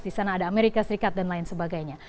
di sana ada amerika serikat dan lain sebagainya